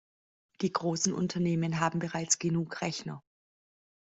Die großen Unternehmen haben bereits genug Rechner.